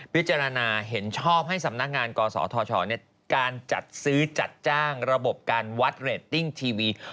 พิจารณาเห็นชอบให้สำนักงานกศธชการจัดซื้อจัดจ้างระบบการวัดเรตติ้งทีวี